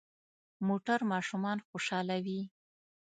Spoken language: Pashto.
موټر ماشومان خوشحالوي.